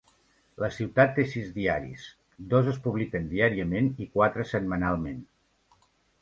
La ciutat té sis diaris; dos es publiquen diàriament i quatre setmanalment.